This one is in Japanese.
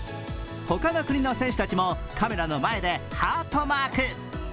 他の国の選手たちもカメラの前でハートマーク。